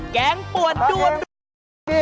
แกงป่วนด้วนราคา